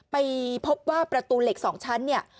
ไปพบว่าประตูเหล็ก๒ชั้นเนี่ย